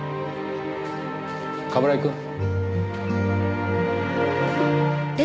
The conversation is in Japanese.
冠城くん。